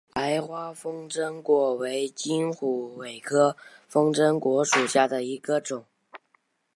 白花风筝果为金虎尾科风筝果属下的一个种。